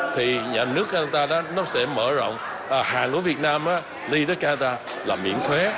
thì nhà nước canada nó sẽ mở rộng hàng hóa việt nam đi tới canada là miễn thuế